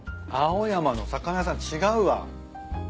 青山の魚屋さん違うわ。